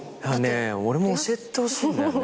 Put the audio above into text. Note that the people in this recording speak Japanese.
俺も教えてほしいんだよね。